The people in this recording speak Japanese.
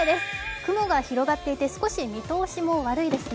雲が広がっていて少し見通しも悪いですね。